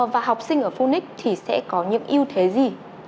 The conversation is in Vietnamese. và học sinh ở phunix thì sẽ có những ưu thế gì